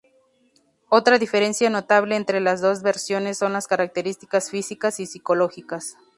Otra diferencia notable entre las dos versiones son las características físicas y psicológicas.